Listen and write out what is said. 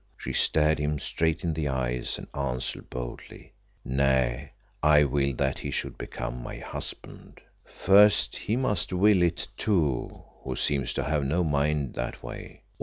She stared him straight in the eyes, and answered boldly "Nay, I will that he should become my husband." "First he must will it too, who seems to have no mind that way.